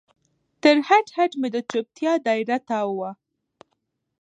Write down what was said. تر هډ، هډ مې د چوپتیا دا یره تاو وه